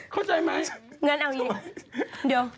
เข้าใจไหม